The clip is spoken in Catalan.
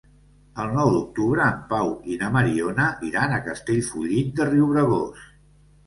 El nou d'octubre en Pau i na Mariona iran a Castellfollit de Riubregós.